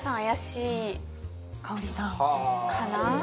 香さん。かな？